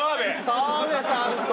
澤部さんと！